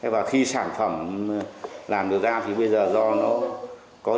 và khi sản phẩm làm được ra thì bây giờ do nó có